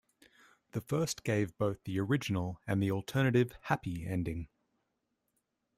The first gave both the original and the alternative "happy" ending.